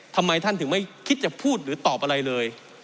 ทำไมท่านถึงไม่คิดจะพูดหรือตอบอะไรเลย